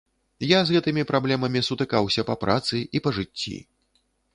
Я з гэтымі праблемамі сутыкаўся па працы і па жыцці.